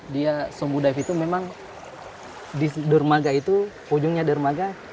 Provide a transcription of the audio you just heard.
dia sombudive itu memang di dermaga itu ujungnya dermaga